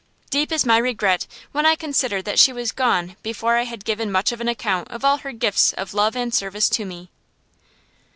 Deep is my regret when I consider that she was gone before I had given much of an account of all her gifts of love and service to me.